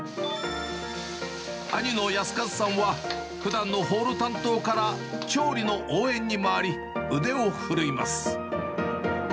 兄の靖一さんは、ふだんのホール担当から、調理の応援に回り、腕を振るいます。